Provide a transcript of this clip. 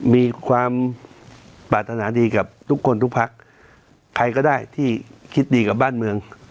มีความปรารถนาดีกับทุกคนทุกพักใครก็ได้ที่คิดดีกับบ้านเมือง